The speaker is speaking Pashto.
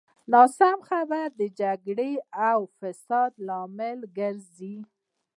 ناسمه خبره د جګړې او فساد لامل ګرځي.